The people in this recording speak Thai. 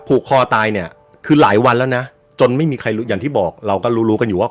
ผูกคอตายเนี่ยคือหลายวันแล้วนะจนไม่มีใครรู้อย่างที่บอกเราก็รู้รู้กันอยู่ว่า